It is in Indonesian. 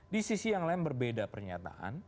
di sisi yang lain berbeda pernyataan